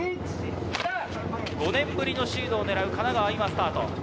５年ぶりのシードを狙う神奈川、今、スタート。